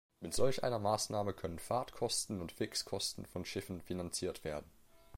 Mit solch einer Maßnahme können Fahrtkosten und Fixkosten von Schiffen finanziert werden.